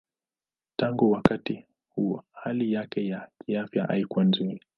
Tangu wakati huo hali yake ya kiafya haikuwa nzuri.